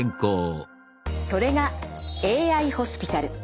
それがＡＩホスピタル。